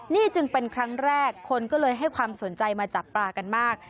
นี่จึงเป็นครั้งแรกคนก็เลยให้ความสนใจมาจับปลากันมาก